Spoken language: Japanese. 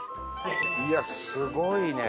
いやすごいね！